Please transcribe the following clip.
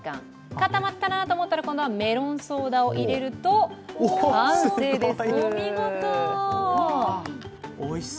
固まったなと思ったら今度はメロンソーダを入れると完成です。